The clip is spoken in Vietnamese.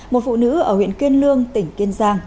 một phụ nữ ở huyện kiên lương tỉnh kiên giang